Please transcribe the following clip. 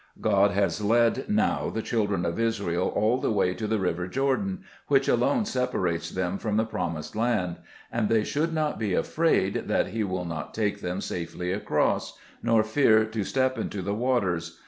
God has led now the children of Israel all the way to the river Jordan, which alone separates them from the promised land ; and they should not be afraid that He will not take them safely across, nor fear to step into the 54 Zbe fficvt Cburcb f>£mn£. waters.